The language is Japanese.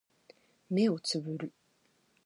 目をつぶる